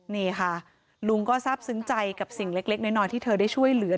นี่ค่ะลุงก็ทราบซึ้งใจกับสิ่งเล็กน้อยที่เธอได้ช่วยเหลือ